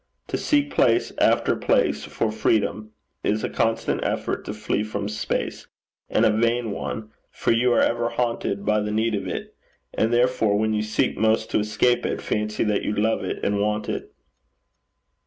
To seek place after place for freedom, is a constant effort to flee from space, and a vain one, for you are ever haunted by the need of it, and therefore when you seek most to escape it, fancy that you love it and want it.'